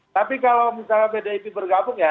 tapi kalau misalnya pdip bergabung ya